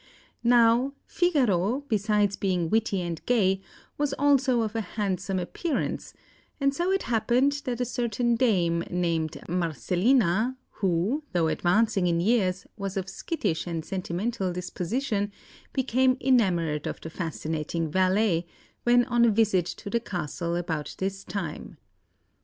[Illustration: MOZART] Now, Figaro, besides being witty and gay, was also of a handsome appearance; and so it happened that a certain dame, named Marcellina, who, though advancing in years, was of skittish and sentimental disposition, became enamoured of the fascinating valet, when on a visit to the castle about this time.